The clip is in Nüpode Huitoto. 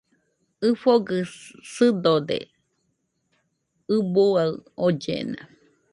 ɨfogɨ sɨdode ɨbuaɨ ollena